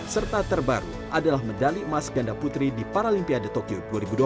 serta terbaru adalah medali emas ganda putri di paralimpiade tokyo dua ribu dua puluh